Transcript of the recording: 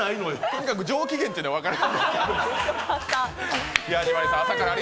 とにかく上機嫌というのは分かる。